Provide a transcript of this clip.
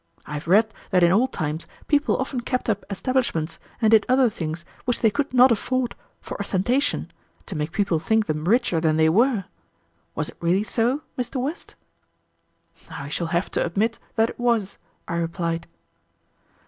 I have read that in old times people often kept up establishments and did other things which they could not afford for ostentation, to make people think them richer than they were. Was it really so, Mr. West?" "I shall have to admit that it was," I replied.